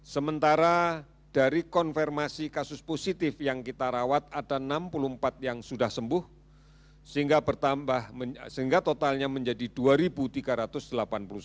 sementara dari konfirmasi kasus positif yang kita rawat ada enam puluh empat yang sudah sembuh sehingga bertambah sehingga totalnya menjadi dua tiga ratus delapan puluh sembilan